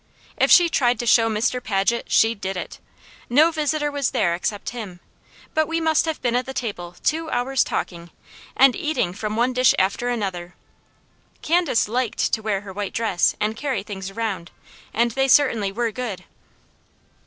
If she tried to show Mr. Paget, she did it! No visitor was there except him, but we must have been at the table two hours talking, and eating from one dish after another. Candace LIKED to wear her white dress, and carry things around, and they certainly were good.